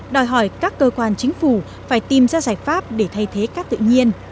đòi hỏi các cơ quan chính phủ phải tìm ra giải pháp để thay thế cát tự nhiên